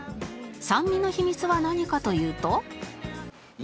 酸味の秘密は何かというと